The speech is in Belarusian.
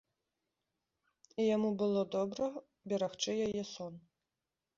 І яму было добра берагчы яе сон.